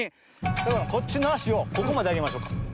こっちのあしをここまであげましょうか。